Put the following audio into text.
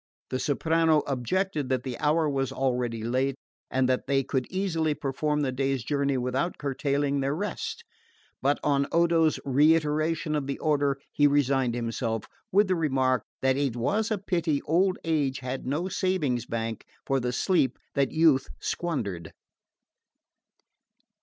The soprano objected that the hour was already late, and that they could easily perform the day's journey without curtailing their rest; but on Odo's reiteration of the order he resigned himself, with the remark that it was a pity old age had no savings bank for the sleep that youth squandered.